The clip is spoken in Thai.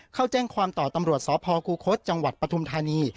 เข้าแจ้งความต่อตำรวจสพคูคศจังหวัดปฐุมธานี